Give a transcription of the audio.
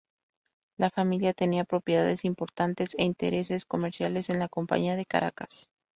La familia tenía propiedades importantes e intereses comerciales en la Compañía de Caracas.